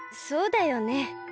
そうだよね。